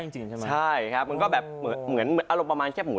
ใช่ครับมันก็แบบเหมือนอารมณ์ประมาณแค่หมู